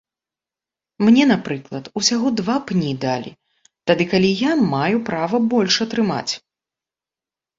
Мне, напрыклад, усяго два пні далі, тады калі я маю права больш атрымаць.